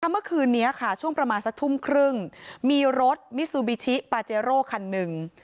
เมื่อคืนนี้ค่ะช่วงประมาณสักทุ่มครึ่งมีรถมิซูบิชิปาเจโร่คันหนึ่ง